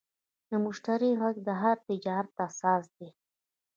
د مشتری غږ د هر تجارت اساس دی.